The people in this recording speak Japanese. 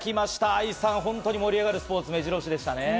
愛さん、本当に盛り上がるスポーツ、目白押しでしたね。